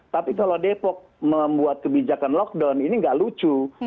tapi kalau depok membuat kebijakan lockdown ini nggak lucu